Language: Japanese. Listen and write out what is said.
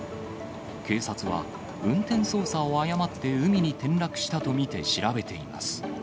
警察は、運転操作を誤って海に転落したと見て、調べています。